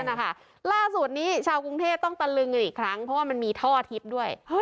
สักครู่ชาวกรุงเทศต้องประลึงอีกครั้งเพราะมันมีท่อทิศด้วย